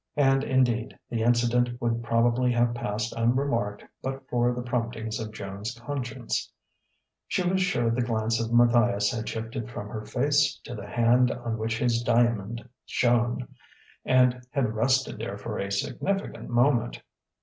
And, indeed, the incident would probably have passed unremarked but for the promptings of Joan's conscience. She was sure the glance of Matthias had shifted from her face to the hand on which his diamond shone, and had rested there for a significant moment.